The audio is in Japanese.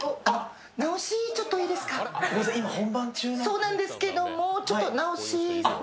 そうなんですけどもちょっと直し。